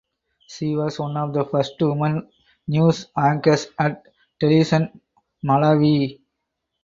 She was one of the first women news anchors at Television Malawi.